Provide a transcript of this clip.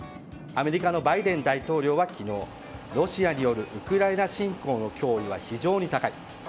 アメリカのバイデン大統領は昨日ロシアによるウクライナ侵攻の脅威は非常に高い。